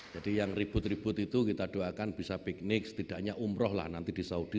jadi yang ribut ribut itu kita doakan bisa piknik setidaknya umroh lah nanti di saudi